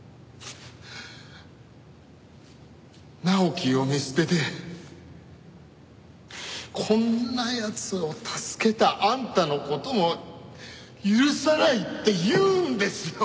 直樹を見捨ててこんな奴を助けたあんたの事も許さないって言うんですよ！